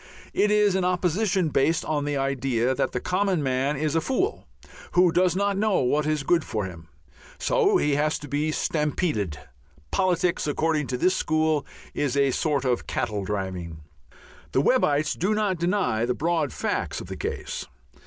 It is an opposition based on the idea that the common man is a fool who does not know what is good for him. So he has to be stampeded. Politics, according to this school, is a sort of cattle driving. The Webbites do not deny the broad facts of the case.